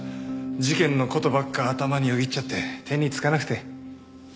事件の事ばっか頭によぎっちゃって手につかなくて。